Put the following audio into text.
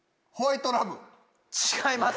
違います。